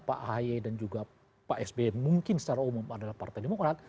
pak ahi dan juga pak sbi mungkin secara umum adalah partai yang mengatakan